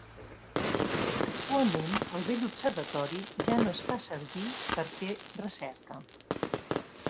Actualment el vell observatori ja no es fa servir per fer recerca.